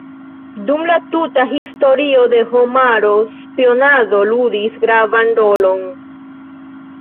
Dum la tuta Historio de homaro spionado ludis gravan rolon.